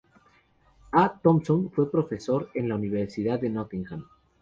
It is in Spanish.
A. Thompson fue profesor en la Universidad de Nottingham.